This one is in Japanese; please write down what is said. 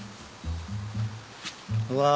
うわ。